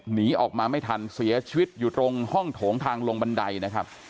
หนีออกมาไม่ทันเสียชีวิตอยู่ตรงห้องโถงทางลงบันไดนะครับ